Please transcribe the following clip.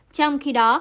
trong khi đó